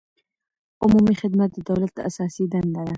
عمومي خدمت د دولت اساسي دنده ده.